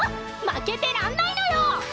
負けてらんないのよ！